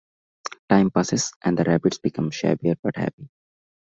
Time passes, and the rabbit becomes shabbier but happy.